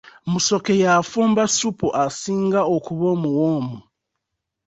Musoke y'afumba ssupu asinga okuba omuwoomu.